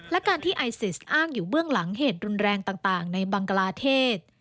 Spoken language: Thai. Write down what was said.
และการที่ไอซิสอ้างอยู่เบื้องหลังเหตุรุนแรงต่างในบังกลาเทศ